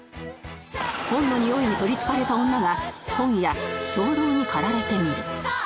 本の匂いに取りつかれた女が今夜衝動に駆られてみる